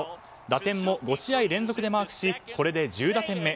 打点も５試合連続でマークしこれで１０打点目。